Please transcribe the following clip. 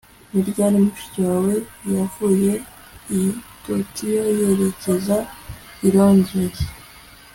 Ni ryari mushiki wawe yavuye i Tokiyo yerekeza i Londres